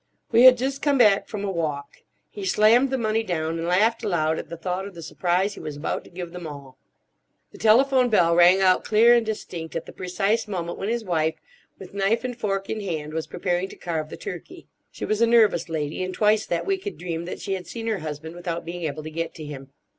We had just come back from a walk. He slammed the money down, and laughed aloud at the thought of the surprise he was about to give them all. The telephone bell rang out clear and distinct at the precise moment when his wife, with knife and fork in hand, was preparing to carve the turkey. She was a nervous lady, and twice that week had dreamed that she had seen her husband without being able to get to him.